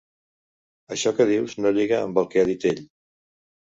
Això que dius no lliga amb el que ha dit ell.